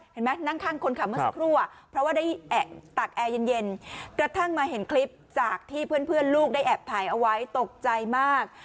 นั่งข้างคนขับเมื่อสักครู่เพราะว่าได้ตักแอร์เย็นกระทั่งมาเห็นคลิปจากที่เพื่อนลูกได้แอบถ่ายเอาไว้ตกใจมาก